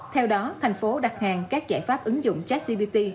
theo đó thành phố đặt hàng các giải pháp ứng dụng chartsgpt